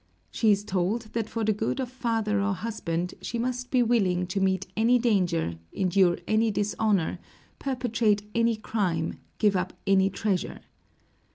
She is told that for the good of father or husband she must be willing to meet any danger, endure any dishonor, perpetrate any crime, give up any treasure.